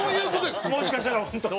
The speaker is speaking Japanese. もしかしたら本当。